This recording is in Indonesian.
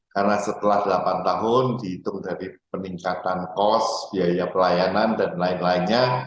karena setelah delapan tahun dihitung dari peningkatan kos biaya pelayanan dan lain lainnya